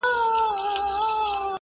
یوازي نوم دی چي پاته کیږي ,